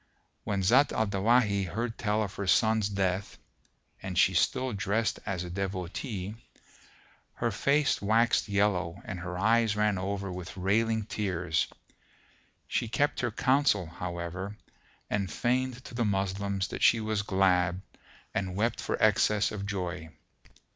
When Zat al Dawahi heard tell of her son's death (and she still drest as a devotee), her face waxed yellow and her eyes ran over with railing tears: she kept her counsel, however, and feigned to the Moslems that she was glad and wept for excess of joy.